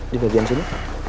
di bagian sini